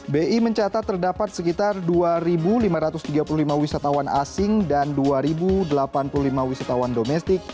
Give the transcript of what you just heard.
bi mencatat terdapat sekitar dua lima ratus tiga puluh lima wisatawan asing dan dua delapan puluh lima wisatawan domestik